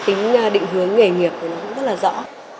tính định hướng nghề nghiệp của nó cũng rất là rõ